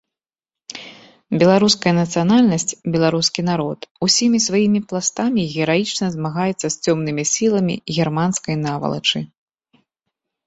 Беларуская нацыянальнасць, беларускі народ усімі сваімі пластамі гераічна змагаецца з цёмнымі сіламі германскай навалачы.